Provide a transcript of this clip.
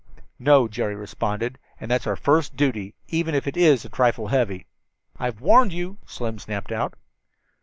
"No," Jerry responded, "and that's our first duty, even if it is a trifle heavy." "I've warned you," Slim snapped out.